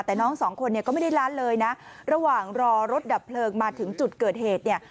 แต่น้องสองคนเนี่ยก็ไม่ได้ร้านเลยนะระหว่างรอรถดับเพลิงมาถึงจุดเกิดเหตุเนี่ย